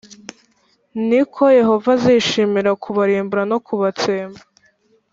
ni ko yehova azishimira kubarimbura no kubatsemba